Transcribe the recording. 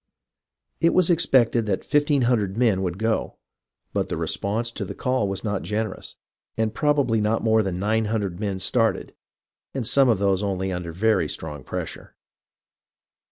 It was expected that fifteen hundred men would go, but the response to the call was not generous, and prob ably not more than nine hundred men started, and some of these only under very strong pressure.